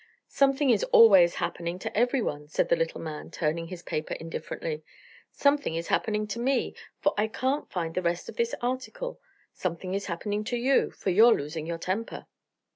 "Something is always happening to everyone," said the little man, turning his paper indifferently. "Something is happening to me, for I can't find the rest of this article. Something is happening to you, for you're losing your temper."